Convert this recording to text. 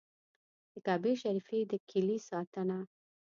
د کعبې شریفې د کیلي ساتنه.